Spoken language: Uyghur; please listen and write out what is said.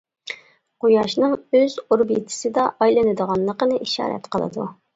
قۇياشنىڭ ئۆز ئوربىتىسىدا ئايلىنىدىغانلىقىنى ئىشارەت قىلىدۇ.